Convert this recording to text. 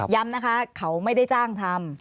ย้ำนะคะเขาไม่ได้จ้างทำ